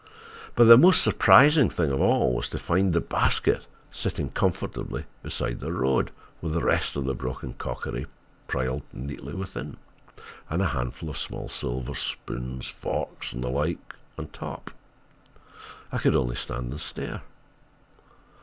But the most surprising thing of all was to find the basket sitting comfortably beside the road, with the rest of the broken crockery piled neatly within, and a handful of small silver, spoon, forks, and the like, on top! I could only stand and stare.